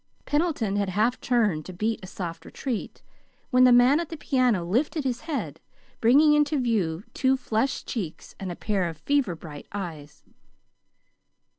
Pendleton had half turned to beat a soft retreat when the man at the piano lifted his head, bringing into view two flushed cheeks and a pair of fever bright eyes.